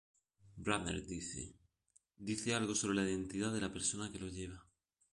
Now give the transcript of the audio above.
Brunner dice: "Dice algo sobre la identidad de la persona que lo lleva".